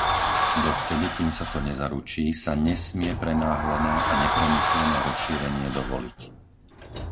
Dovtedy, kým sa to nezaručí, sa nesmie prenáhlené a nepremyslené rozšírenie dovoliť.